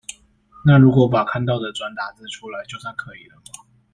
那如果把看到的轉打字出來，就算可以了嗎？